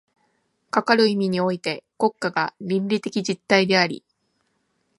かかる意味において国家が倫理的実体であり、